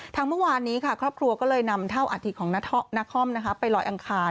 เมื่อวานนี้ค่ะครอบครัวก็เลยนำเท่าอาทิตของนครไปลอยอังคาร